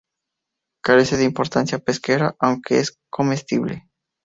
Carece de importancia pesquera aunque es comestible.